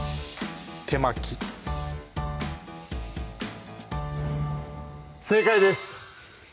手巻き正解です！